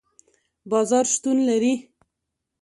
بازار شتون لري